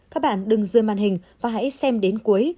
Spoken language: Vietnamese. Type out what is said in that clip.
các bạn đừng rơi màn hình và hãy xem đến cuối